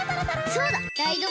そうだ！